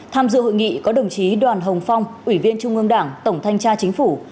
tham dự hội nghị có đồng chí đoàn hồng phong ủy viên trung ương đảng tổng thanh tra chính phủ